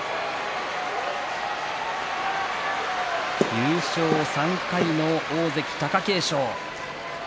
優勝３回の大関貴景勝。